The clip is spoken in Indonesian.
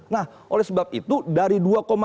nah oleh sebab itu dari dua